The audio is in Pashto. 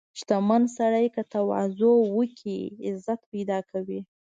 • شتمن سړی که تواضع وکړي، عزت پیدا کوي.